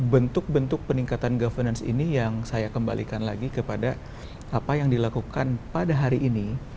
bentuk bentuk peningkatan governance ini yang saya kembalikan lagi kepada apa yang dilakukan pada hari ini